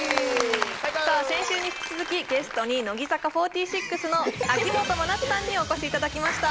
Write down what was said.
先週に引き続きゲストに乃木坂４６の秋元真夏さんにお越しいただきました